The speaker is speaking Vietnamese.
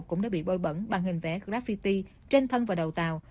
cũng đã bị bồi bẩn bằng hình vẽ graffiti trên thân và đầu tàu